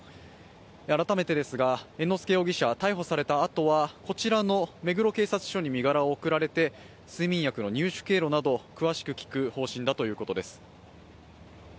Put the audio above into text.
改めてですが、猿之助容疑者は逮捕されたあとはこちらの目黒警察署に身柄を送られて、睡眠薬の入手経路など詳しく聞く方針だということです。